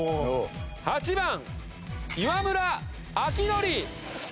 ８番岩村明憲。